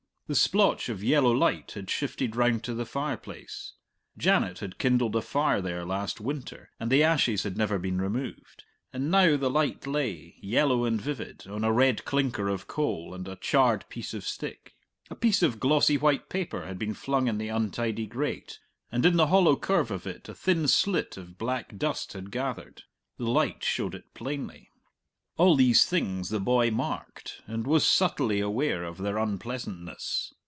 The splotch of yellow light had shifted round to the fireplace; Janet had kindled a fire there last winter, and the ashes had never been removed, and now the light lay, yellow and vivid, on a red clinker of coal and a charred piece of stick. A piece of glossy white paper had been flung in the untidy grate, and in the hollow curve of it a thin silt of black dust had gathered the light showed it plainly. All these things the boy marked and was subtly aware of their unpleasantness.